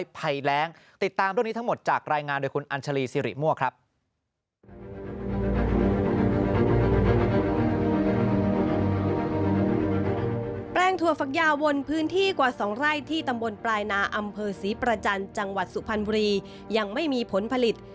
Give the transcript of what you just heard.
แปลงถั่วฝักยาวนพื้นที่กว่า๒ไร่ที่ตำบลปลายนาอำเภอศรีประจันทร์จังหวัดสุพรรณบุรียังไม่มีผลผลิต